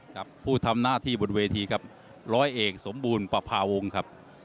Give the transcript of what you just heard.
กับผู้ทำหน้าที่บนเวทีครับร้อยเอกสมบูรณ์ประพาวงศ์ครับ